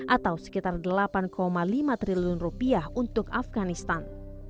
atau sekitar delapan lima triliun rupiah untuk afganistan